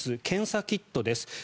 検査キットです。